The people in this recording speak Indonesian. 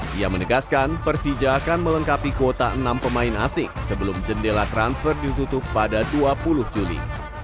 dia menegaskan persija akan melengkapi kuota enam pemain asing sebelum jendela transfer ditutup pada dua puluh juli